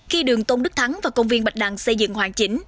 khi đường tôn đức thắng và công viên bạch đằng xây dựng hoàn chỉnh